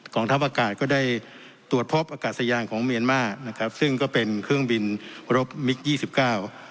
ทัพอากาศก็ได้ตรวจพบอากาศยานของเมียนมานะครับซึ่งก็เป็นเครื่องบินรบมิกยี่สิบเก้า